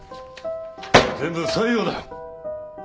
全部不採用だ。